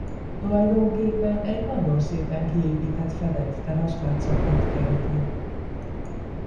Tulajdonképpen egy nagyon szépen kiépített fedett terasz látszatát kelti.